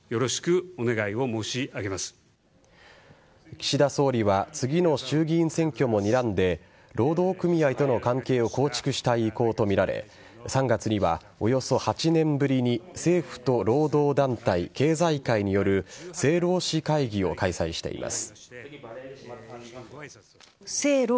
岸田総理は次の衆議院選挙もにらんで労働組合との関係を構築したい意向とみられ３月には、およそ８年ぶりに政府と労働団体、経済界による政労使会議を開催しています。